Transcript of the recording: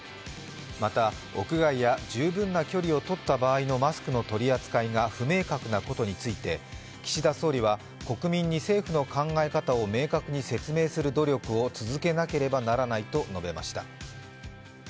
また、屋外や十分な距離をとった場合のマスクの取り扱いが不明確なことについて岸田総理は国民に政府の考え方を明確に説明する努力を続けなければならないと述べました。